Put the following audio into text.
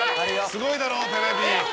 すごいだろテレビ。